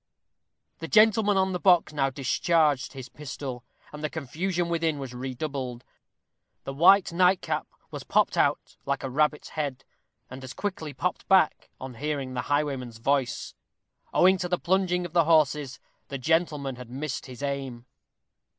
The gentleman on the box now discharged his pistol, and the confusion within was redoubled. The white nightcap was popped out like a rabbit's head, and as quickly popped back on hearing the highwayman's voice. Owing to the plunging of the horses, the gentleman had missed his aim.